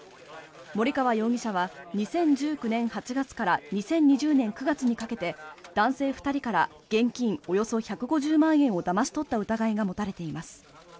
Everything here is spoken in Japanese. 森川容疑者は２０１９年８月から２０２０年９月にかけて男性２人から現金およそ１５０万円をだまし取った疑いが持たれています。